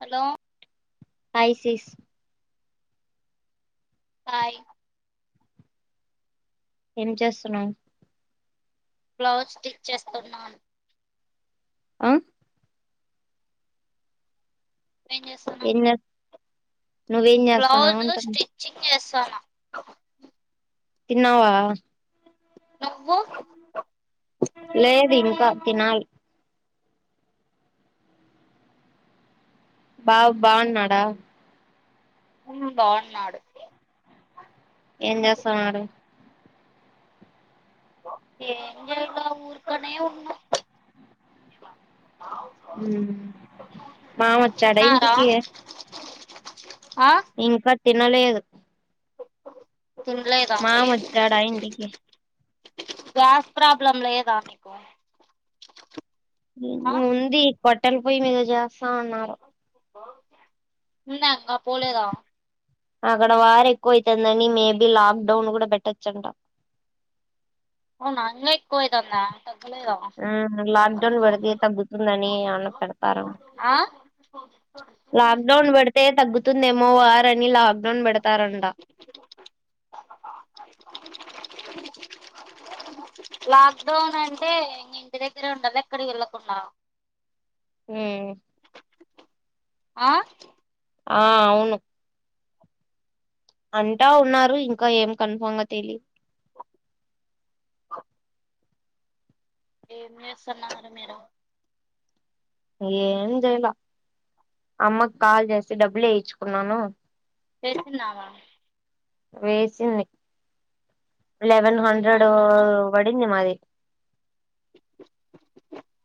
Hello hi sis hi ఏం చేస్తున్నావ్ blouse stitch చేస్తున్నాను ఆ నువ్వేం ఏం చేస్తున్నావ్ ఏం చే నువ్వేం చేస్తున్నావు బ్లౌజు అంటున్నా స్టిచ్చింగ్ చేస్తాన తిన్నావా నువ్వు లేదు ఇంకా తినాలి బావ బాగున్నాడా వును బాగున్నాడు ఏం చేస్తున్నాడు ఏ చేస్తా ఊరుకనే ఉన్నా హుమ్మ్ మామ వచ్చాడా ఇంటికి ఓకే ఇన్ ప తినలేదు తిన్లేద మామ ఏం వచ్చాడా ఇంటికి గ్యాస్ ప్రబ్లము లేదు లా మీకు ముంది కట్టెల పొయ్యి మీద చేస్తా అన్నారు ఉన్నా అంగ పోలేదా అక్కడ వారు ఎక్కువ అయితందని మేబి లాక్ డౌన్ కూడా పెట్టచ్చంట అంగ ఎక్కువయితందా ఆ లాక్డౌన్ పెడితే తగ్గుతుందని అన్న పెడతారు ఆ లాక్డౌన్ పెడితే తగ్గుతు తుందేమో వారని లాక్డౌన్ పెడతారంట లాక్డౌన్ అంటే ఇంగ ఇంటి దగ్గరే ఉండాలి ఎక్కడికి వెళ్ళకుండా ఉ ఆ ఆ అవును అంటా ఉన్నారు ఇంకా ఏం కన్ఫామ్ గా తెలి వో ఏం చేస్తున్నారున్నారు మీరు ఏం చేయాల అమ్మకి కాల్ చేసి డబ్బులు వేయించుకున్నాను వేసిన్నావా వేసింది లెవెన్ ఏం హండ్రెడ్ మాట్లాడినా పడింది మరి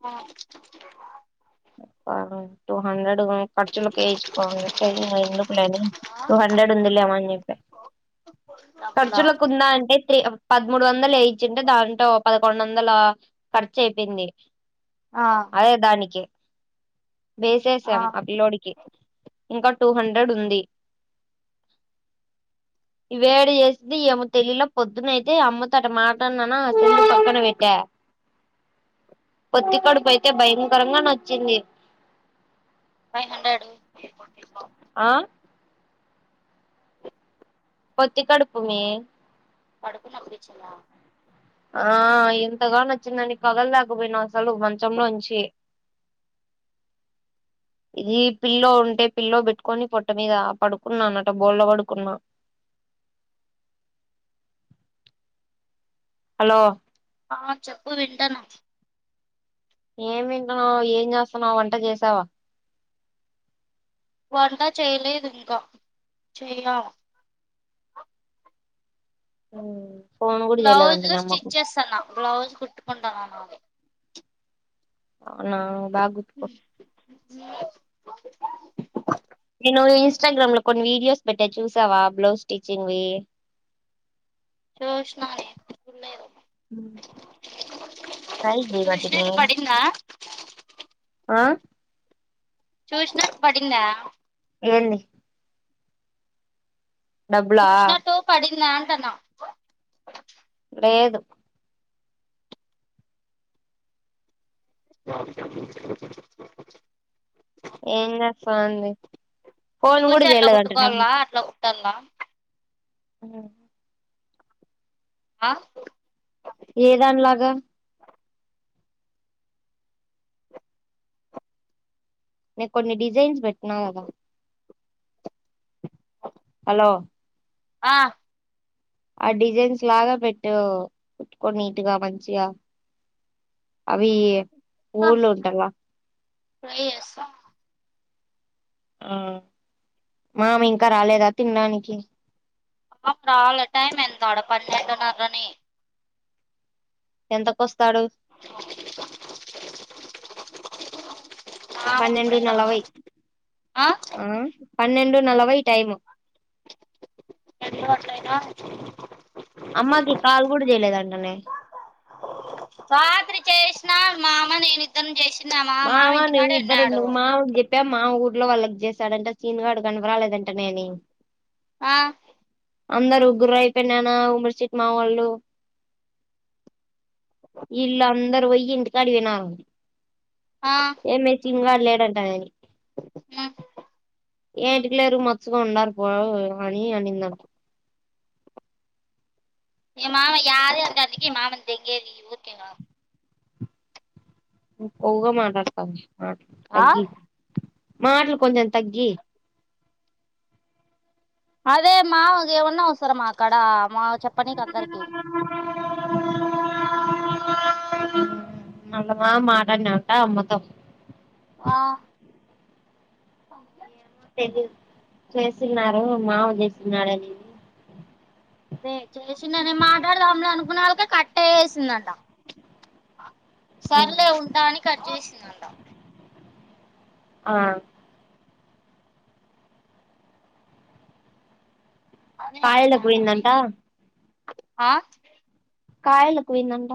ఆ టూ హండ్రెడ్ ర్ుాల ఆ, ఎందు హండ్రెడ్ ఉంది లేమని చె డబ్బులా ర్చుేూ దా రెండు వందల ఖర్చు అయిపోయింది ఆ అదే దాన్నికే ఆ వేసేసాం అ పిల్లోడికి ఇంకా టూ హండ్రెడ్ ఉంది ఇవేడు చేసింది ఏమో తెలిలో పొద్దునైతే అమ్మ తట మాటన్నా అస పక్కన పెట్టా పొత్తి కడుపు అయితే భయంకరంగా న చెన్న ఫైవ్ హండ్రెడ్ ఆ పోత్తి కడుపు నే పడుకూనప్పుడు ఇచ్చిందా ఆ ఎంతగాో నచ్చిందని కదలులేకపోయినా అసలు మంచంలోంచి ఇది పిల్లో ఉంటే పిల్లో పెట్టుకొని పొట్ట మీద పడుకున్నానట బోళ పడుకున్నా హలో ఆ చెప్పు వింటను ఏం వింటున్నావు ఏం చేస్తున్నావ వంట చేసావా వంట చేయలేదు ఇంకా చెయలే అఓ బ్లౌజ్ స్టిచ్ చేస్తాను బ్లౌజ్ కుట్టుకుంటానువి అవునా బాగుత్కో అ నేను ఇన్స్టాగ్రామ్ లో కొన్ని వీడియోస్ పెట్టే చూసావా బ్లౌజ్ స్టిచింగ్ వి చూస్నానే నేను నైట్ డె పట్టింది చూసినట్టు పడిందా ఆ చుసినట్టు పడింద ఏన్ని చూసినట్టు పడిందన న్నా లేదు రా [inaudible] అ చూసి అట్లా కుట్టుకోవాల అట్లా న్నాలా హ్మ్ ఆ ఏదానిలాగా నేను కొన్ని డిజైన్స్ పెట్టినా కదా హలో ఆ ఆ డిజైన్స్ లాగా పెట్టు కుట్టుకోని నీట్గా మంచిగా అవి ఊళ్ళ ఉంటలా ట్రై చేస్తా ఆ మామి ఇంకా రాలేదా తినడానికి అ రాల టైమ్ ఎంత ఆడ పన్నెండున్నరని ఎంతకొస్త తాడు ఆమె పన్నెండు అప్పుడే నలభై రాదు ఆ అ పన్నెండు నలబై టైము ఎట్ల గట్లయిన అమ్మకి కాలు కూడా చేయలేదంటనే రాత్రి చేసిన మా అమ్ నేను ఇద్దరం చేసిన మా మామ మావ నువ్వు ఇంటికాడే ఇద్దరు ఉన్నాడు ఎందుకు మావకు చెప్పా మామాకు ఇంట్లో వాళ్ళకి చేసాడంటే సీనుగాడు గనపరాలేదంట నేమీ ఆ అందరు ముగ్గురా అయిపోయినానా ఉమ్మరి చీట్ మా వాళ్ళు ఇల్ అందరు పోయి ఇంటి కాడ తినాలి ఏమె శీనుగాడు లేడంటనే హు ఏంటికి లేరు మచ్చుగా ఉండాల పో అని అనిందంట ఏ మామన్ యారు అంటంటికి మామన్ తెంగేది ఊతి ఒవగా మాట్లాడతను ఆ తగ్గి మాటలు కొంచెం తగ్గిి అదే మావకేమన్నా అవసరమాక్కడ మా చెప్పనికి అందరికి న మా మాటన్నా ఉంటా అమ్మతో ఆ ప [unintelligible] తెలి చేస్తున్నారు మావ చేస్తున్నారుడునేది ణ కట్ వేసిందంట సర్లే ఉంటా అని కట్ చేసిందంట ఆ అని కాయలకు అన్నాడు అని పోయిందంట ఆ కాయలకు పోయిందంట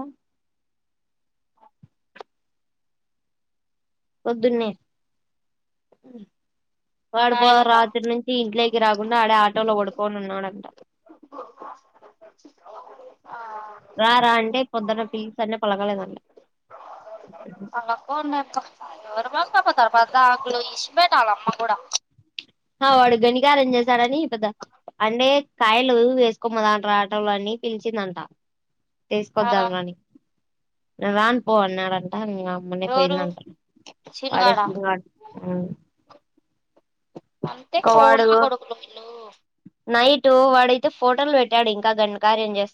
పొద్దున్నే వాడి పో రాయలక్క రాత్రి రీ నుంచి ఇంట్లోకి రాకుండా ఆడే ఆటోలో పడుకొని ఉన్నాడంట ఆ రా రా అంటే పొద్దున్న పిల్స అంటే పలగలేదంట. [unintelligible] పెట్టాల అమ్మ కూడా మా వాడికి గణికారం చేశారని పెద్ద అండే కాయలు వేసుకోమ్మ అంటార ఆటోల అని పిలిచిందంట ఆ తీసుకొద్దా మ నీ నేను రాన్ పో అన్నాడట ఆ అమ్మనే ఎవరు పోయిందంటా చినుగాడ ఆడేసి హ అంతే కూలి నా కోడుకులు వీళ్ళు నైట్ వాడైతే ఫోటోలు పెట్టాడు ఇంకా గణకార్యం చేస్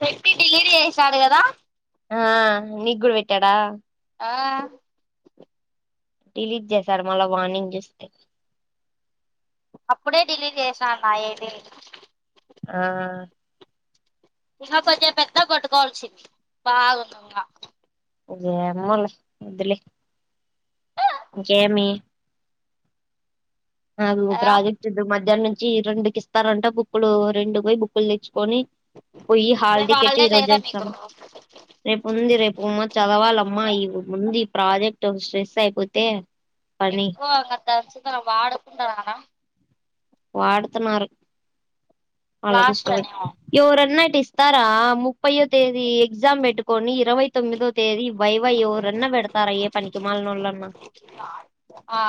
పెట్టి డిలీట్ చేస్ సాడు కదా ఆ నీ గుడా పెట్టాడా ఆ డిలీట్ చేసారు మళ్ళ వార్నింగ్ చూస్తే అప్పుడే ఢిలీట్ చేసాను మా ఏది ఆ ఇంకా కొంచెం పెద్ద కొట్టుకోవస్సింది. బాగుంది ఇంగా ఇగా ఏమోలే వద్దులే ఇంకేమి కాదు ఓ ఆ ప్రాజెక్ట్ ఉంటే మధ్యాహ్నం చి రెండు కి ఇస్తారంట బుక్లు రెండు పోయి బుక్కులు తెచ్చు కోని పోయి రేపు హల్టికెట్ ఈ హాలిడే రోజు లేదా మీకు దేస్తాం. రేపు ఉంది. రేపు ఆమ్మా చదవాలమ్మా ఈ ముందు ఈ ప్రాజెక్ట్ ఒక ట్రెస్ అయిపో పోతే ఎక్కువ [unintelligible] వాడ [unintelligible] వాడుతున్నారు వాళ్లకు లాస్ట్ ఇస్తంవచ్చి అనేమో ఏవరన్నా ఇట్ తరా ముప్పైయే తేదీ ఎగ్జామ్ పెట్టుకొని ఇరవై తొమ్మిదో తేదీ వైవ ఎవరన్నా పెడతారా ఏ పనికి మలీనోళ్ళన్నా ఆ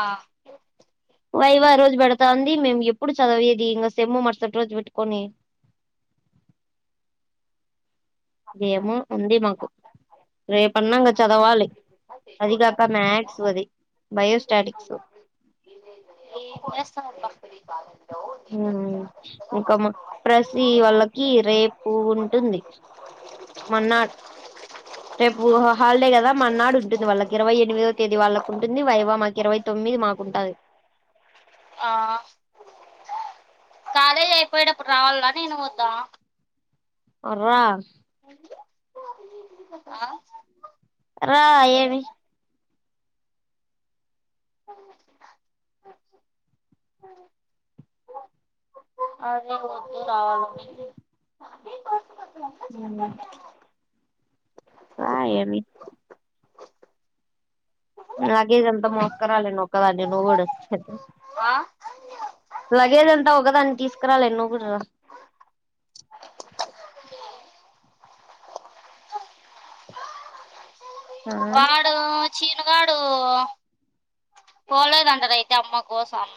వైవా రోజు పెడతా అంది మేము ఎప్పుడు చదివేది. ఇంకా సేమ్ మరుసటి రోజు పెట్టుకొని రేప్ ఆన్నాంగా చదవాలి అది కాక బయోస్టాటిక్స్ [unintelligible] ఇంకా ప్రసిీ వాళ్ళకి రేపు ఉంటుంది మన్నాడు రేపు హాలిడే కదా మన్నాడు ఉంటుంది వాళ్ళకి ఇరవై ఎనిమిదో తేదీ వాళ్ళకి ఉంటుంది వైవ మాకు ఇరవై తొమ్మిది మాకు ఉంటాది ఆ కాలేజ్ అయిపోయేటప్పుడు రావాలా నేను వద్దా అ రా [unintelligible] రా ఏమి [unintelligible] అదే వద్ద రావాలా అని అ రాా ఏమి లగేజ్ అంత మాస్కోరాలే ను ఒకదాన్ని నువ్వు కూడా వచ్చి హెల్ప్ చేయి ఆ లగేజ్ ఎంతా ఒకదాన్ని తీసుకు రాలేను నువ్వు కూడా రా రా పాడు చిన్నగాడు పోలేదంటాగా అయితే అమ్మ కోసం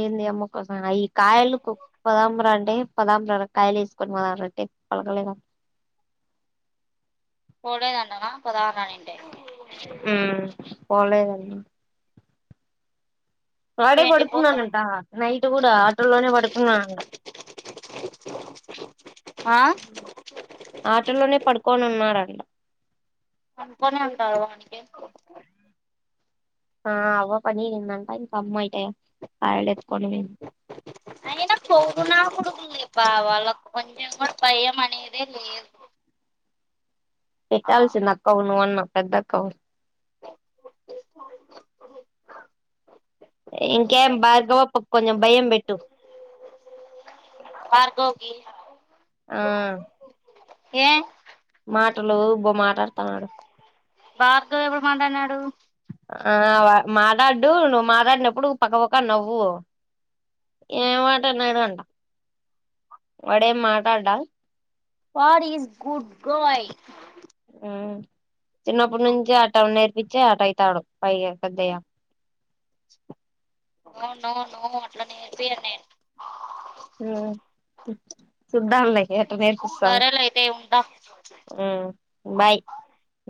ఏంది అమ్మకోసం ఈ కాయలు కు పదాం రా అంటే పదాం రారా కాయలు వేసుకొని పదాం రా అంటే పలకలే పోలేడు అన్నడా పదాము అన్నింటే పోలేదన్నాా వాడే ఏంటి పోతా పడుకున్నానంట నైట్ కూడా ఆటోలోనే పడుకున్నాన ఆ ఆటోలోనే పడుకొని ఉన్నాడు అంట అనుకొని వెళ్తారు వానకి ఆ అ పనిందంట ఇంకా అమ్మ అయితే అయిన కొవ్వునకొడుకు లే బా వ కొంచెం కూడా భయం అనేదే లేదు పెట్టాల్సింది అక్క నువ్వు అన్న పెద్దకావు ఇంకేమీ భార్గవప్పకి కొంచెం భయం పెట్టు భార్గవ్కి ఆ ఏ మాటలు బో మాట్లాడుతున్నాడు భార్గవ్ ఎప్పుడు మాట్లాడినాడు ఆ మాట్లాడు నువ్వు మాట్లాడినప్పుడు పక్కపక్క నవ్వు ఏ మాటన్నాడు అంట వాడేమి మాట్లాడ్డా వాడు ఈస్ గుడ్ గయ్ చిన్నప్పటి నుంచి ఆట నేర్పించి ఆట అయితాడు పై [unintelligible] అవునవును అట్లా నేర్పియను నేను చూద్దాంలే ఎట్ల నేర్పిస్తావో సరేలే అయితే ఉంటా బాయ్